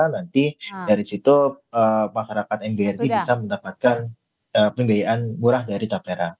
nanti dari situ masyarakat nbsi bisa mendapatkan pembiayaan murah dari tapera